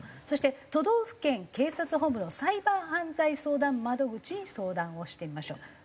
そして都道府県警察本部のサイバー犯罪相談窓口に相談をしてみましょう。